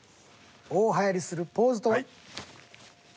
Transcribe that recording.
大はやりするポーズとは？